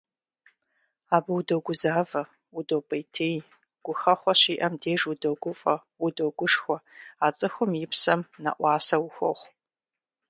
Абы удогузавэ, удопӏейтей, гухэхъуэ щиӏэм деж удогуфӏэ, удогушхуэ, а цӏыхум и псэм нэӏуасэ ухуохъу.